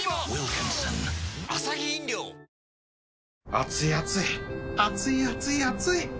暑い暑い暑い暑い暑い